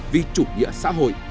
vì chủ nghĩa xã hội